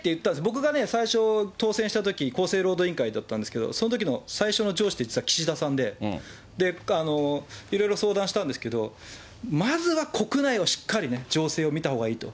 僕が最初、当選したとき、厚生労働委員会だったんですけど、そのときの最初の上司って、実は岸田さんで、いろいろ相談したんですけど、まずは国内をしっかりね、情勢を見たほうがいいと。